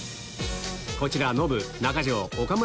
こちらノブ中条岡村